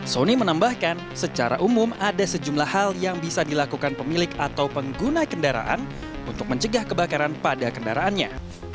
sony menambahkan secara umum ada sejumlah hal yang bisa dilakukan pemilik atau pengguna kendaraan untuk mencegah kebakaran pada kendaraannya